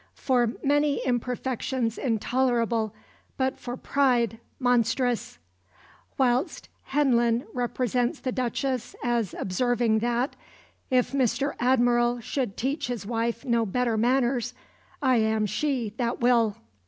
for many imperfections intolerable, but for pride monstrous"; whilst Heylyn represents the Duchess as observing that, if Mr. Admiral should teach his wife no better manners, "I am she that will."